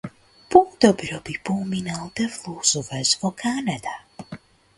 Подобро би поминал да вложуваш во Канада.